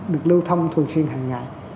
được lưu thông thường xuyên hàng ngày